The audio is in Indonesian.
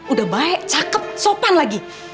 udah baik cakep sopan lagi